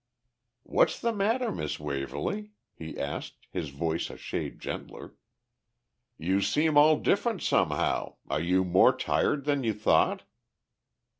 "What's the matter, Miss Waverly?" he asked, his voice a shade gentler. "You seem all different somehow. Are you more tired than you thought?"